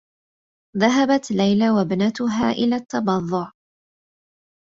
ذهبت ليلى و ابنتها إلى التّبضّع.